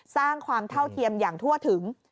สร้างความเท่าเทียมอย่างทั่วถึง